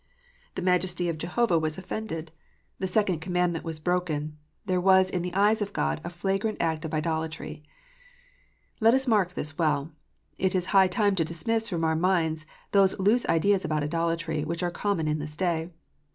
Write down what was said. The majesty of Jehovah was 2 o .&02 KNOTS UNTIED. oifencled. The second commandment was broken. There was, in the eyes of God, a flagrant act of idolatry. Let us mark this well. It is high time to dismiss from our minds those loose ideas about idolatry, which are common in this day.